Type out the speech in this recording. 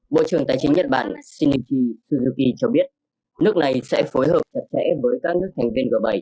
bộ trưởng tài chính nhật bản shinichi suzuki cho biết nước này sẽ phối hợp thật sẽ với các nước thành viên g bảy